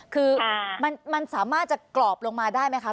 คือมันสามารถจะกรอบลงมาได้ไหมคะ